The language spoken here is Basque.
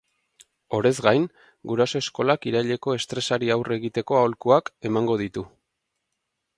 Horez gain, guraso eskolak iraileko estresari aurre egiteko aholkuak emango ditu.